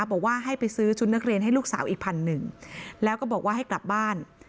บอกว่าให้ไปซื้อชุดนักเรียนให้ลูกสาวอีกพันหนึ่งแล้วก็บอกว่าให้กลับบ้าน